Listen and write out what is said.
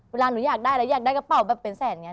เวลาหนูอยากได้อะไรอยากได้กระเป๋าแบบเป็นแสนอย่างนี้